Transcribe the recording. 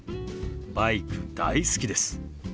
バイク大好きです。